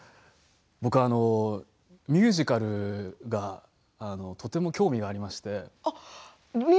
僕はミュージカルがとても興味がありまして。